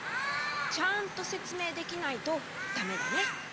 ちゃんとせつめいできないとだめだね。